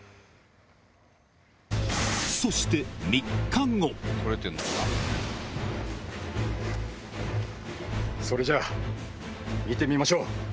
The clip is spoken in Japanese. そしてそれじゃあ見てみましょう！